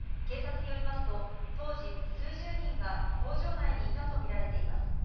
警察によりますと、当時、数十人が工場内にいたと見られています。